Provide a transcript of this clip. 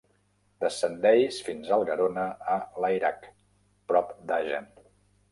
Descendeix fins al Garona a Layrac, prop d'Agen.